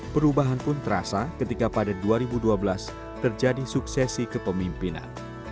perubahan pun terasa ketika pada dua ribu dua belas terjadi suksesi kepemimpinan